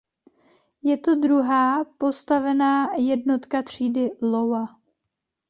Je to druhá postavená jednotka třídy "Iowa".